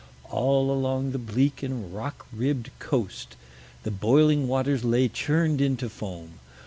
All along the bleak and rock ribbed coast the boiling waters lay churned into foam.